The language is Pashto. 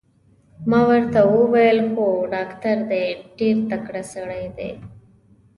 ما ورته وویل: هو ډاکټر دی، ډېر تکړه سړی دی.